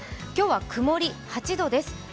今日は曇り、８度です。